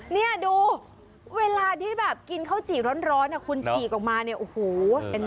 เนี่ยว่าดูเวลากินข้าวจีร้อนนะคุณฉีกออกมาเนี่ย